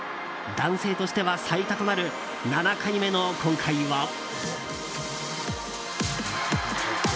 男性としては最多となる７回目の今回は。